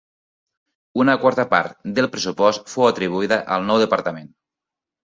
Una quarta part del pressupost fou atribuïda al nou departament.